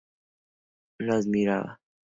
Mozart lo admiraba.